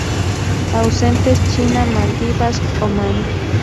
Ausentes: China, Maldivas, Omán.